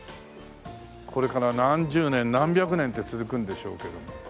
これから何十年何百年って続くんでしょうけども。